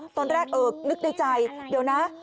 ตอนแรกเออนึกในใจเดี๋ยวนะ